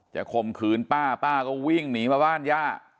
ข่มขืนป้าป้าก็วิ่งหนีมาบ้านย่า